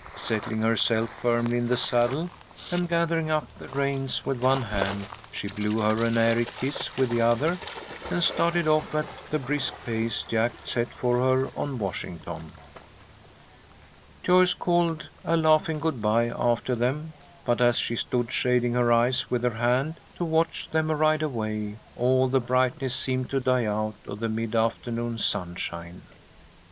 Settling herself firmly in the saddle and gathering up the reins with one hand, she blew her an airy kiss with the other, and started off at the brisk pace Jack set for her on Washington. Joyce called a laughing good bye after them, but, as she stood shading her eyes with her hand to watch them ride away, all the brightness seemed to die out of the mid afternoon sunshine.